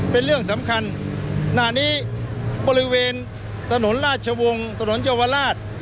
เป็นเรื่องสำคัญหน้านี้บริเวณถนนราชวงศ์ถนนเยาวราช